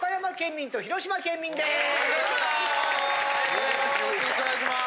よろしくお願いします。